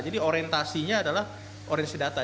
jadi orientasinya adalah oriensi data